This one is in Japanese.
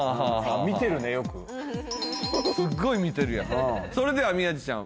見てるねよくすっごい見てるやんそれでは宮治ちゃん